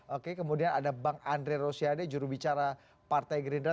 oke kemudian ada bang andre rosiade jurubicara partai gerindra